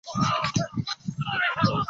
不过在法国南方有发现红赭的使用。